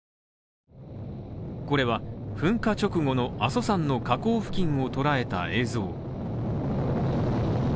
これは噴火直後の阿蘇山の火口付近をとらえた映像。